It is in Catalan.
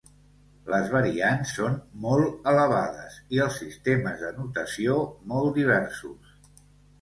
Les variants són molt elevades i els sistemes de notació molt diversos.